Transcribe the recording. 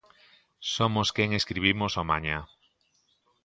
Somos quen escribimos o mañá.